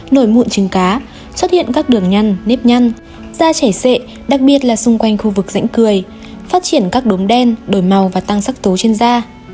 nổi mụn trứng cá xuất hiện các đường nhăn nếp nhăn da chảy xệ đặc biệt là xung quanh khu vực rãnh cười phát triển các đốm đen đổi màu và tăng sắc tố trên da